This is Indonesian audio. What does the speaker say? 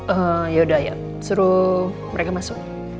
eh yaudah ya suruh mereka masuk